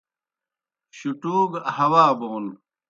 شُٹھوں کہ ہوا بون